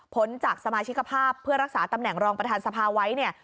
จากสมาชิกภาพเพื่อรักษาตำแหน่งรองประธานสภาไว้เนี่ย